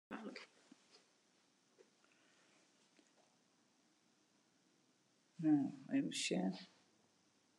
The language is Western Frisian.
Der sitte trettjin minsken om dizze tafel en der komme noch in pear by.